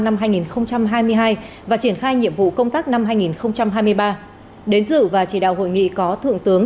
năm hai nghìn hai mươi hai và triển khai nhiệm vụ công tác năm hai nghìn hai mươi ba đến dự và chỉ đạo hội nghị có thượng tướng